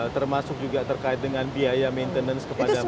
termasuk juga terkait dengan biaya maintenance kepada mereka